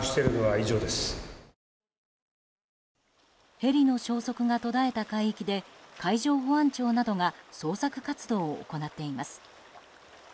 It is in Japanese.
ヘリの消息が途絶えた海域で海上保安庁などが捜索活動を行っています。